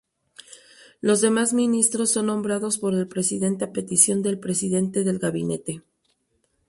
Los demás ministros son nombrados por el Presidente a petición del presidente del gabinete.